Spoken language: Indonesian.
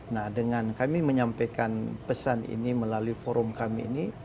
nah dengan kami menyampaikan pesan ini melalui forum kami ini